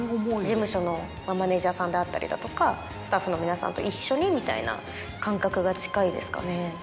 事務所のマネジャーさんであったりだとかスタッフの皆さんと一緒にみたいな感覚が近いですかね。